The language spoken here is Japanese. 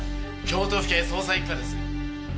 京都府警捜査一課です。